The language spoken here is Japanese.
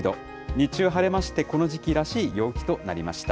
日中、晴れまして、この時期らしい陽気となりました。